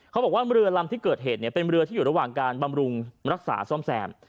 บอกว่าเรือลำที่เกิดเหตุเป็นเรือที่อยู่ระหว่างการบำรุงรักษาซ่อมแซม